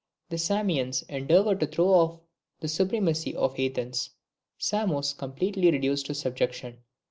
The Samians endeavour to throw off the supremacy of Athens. Samos completely reduced to subjection.